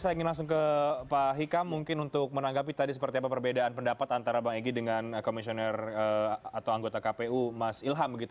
saya ingin langsung ke pak hikam mungkin untuk menanggapi tadi seperti apa perbedaan pendapat antara bang egy dengan komisioner atau anggota kpu mas ilham